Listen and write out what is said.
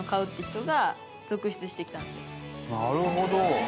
なるほど！